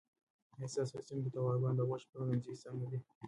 آیا ستاسو په سیمه کې د غواګانو د غوښې پلورنځي په سمه دي؟